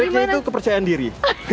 triknya itu kepercayaan diri